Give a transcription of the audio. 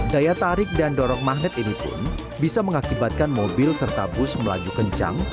daya tarik dan dorong magnet ini pun bisa mengakibatkan mobil serta bus melaju kencang